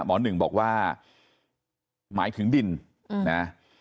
หนึ่งบอกว่าหมายถึงดินนะ